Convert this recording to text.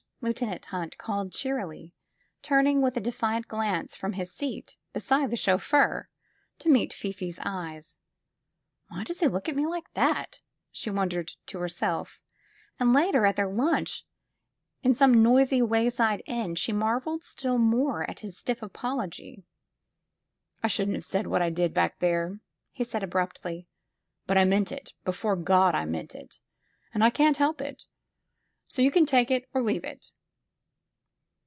'' Lieutenant Hunt called cheerily, turning with a defiant glance from his seat beside the chauffeur to meet Fifi's eyes. ''Why does he look at me like that?" she wondered to herself, and later, at their lunch in some noisy way side inn, she marveled still more at his stiff apology. *'I shouldn't have said what I did, back there," he said abruptly. '*But I meant it — ^before God, I meant it! And I can't help it. So you can take it or leave it."